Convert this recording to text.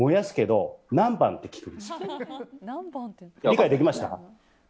理解できました？